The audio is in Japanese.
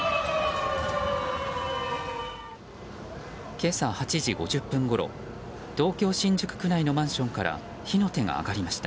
今朝８時５０分ごろ東京・新宿区内のマンションから火の手が上がりました。